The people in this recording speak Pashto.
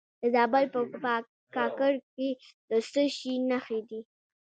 د زابل په کاکړ کې د څه شي نښې دي؟